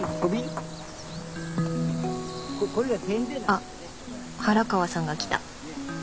あっ原川さんが来た。